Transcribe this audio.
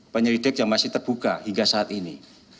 penyelidik yang masih terbuka hingga saat ini